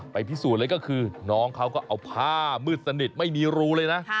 พิสูจน์เลยก็คือน้องเขาก็เอาผ้ามืดสนิทไม่มีรูเลยนะ